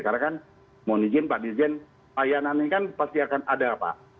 karena kan mau diizinkan pak dirjen layanan ini kan pasti akan ada pak